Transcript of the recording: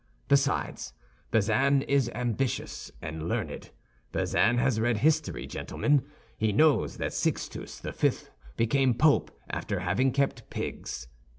Besides, Bazin is ambitious and learned; Bazin has read history, gentlemen, he knows that Sixtus the Fifth became Pope after having kept pigs.